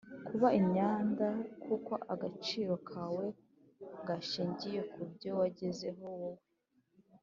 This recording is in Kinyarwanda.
kuba inyanda kuko agaciro kawe gashingiye ku byo wagezeho wowe